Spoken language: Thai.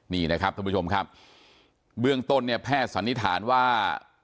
นี่นะครับท่านผู้ชมครับเบื้องต้นเนี่ยแพทย์สันนิษฐานว่า